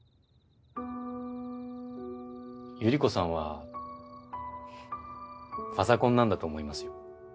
ゆり子さんはファザコンなんだと思いますよ。